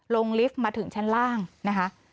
ลิฟต์มาถึงชั้นล่างนะคะ